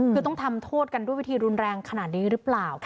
คือต้องทำโทษกันด้วยวิธีรุนแรงขนาดนี้หรือเปล่า